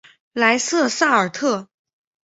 莱瑟萨尔特。